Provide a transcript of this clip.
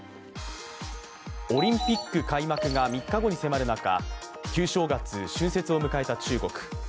オリンピック開幕が３日後に迫る中旧正月、春節を迎えた中国。